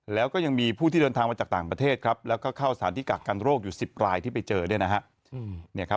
แล้วก็ยังมีผู้ที่เดินทางมาจากต่างประเทศครับแล้วก็เข้าสถานที่กักกันโรคอยู่๑๐รายที่ไปเจอเนี่ยนะครับ